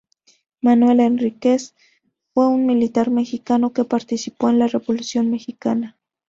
Manuel Enríquez fue un militar mexicano que participó en la Revolución mexicana.